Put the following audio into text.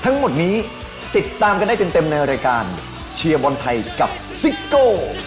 ทั้งหมดนี้ติดตามกันได้เต็มในรายการเชียร์บอลไทยกับซิโก้